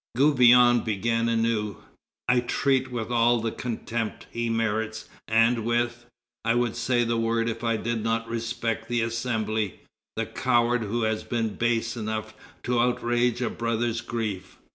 Gouvion began anew: "I treat with all the contempt he merits, and with ... I would say the word if I did not respect the Assembly the coward who has been base enough to outrage a brother's grief."